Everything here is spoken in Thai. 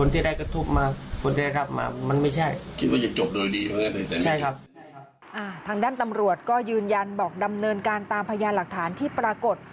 ทางด้านตำรวจก็ยืนยันบอกดำเนินการตามพยานหลักฐานที่ปรากฏ